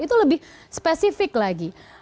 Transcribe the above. itu lebih spesifik lagi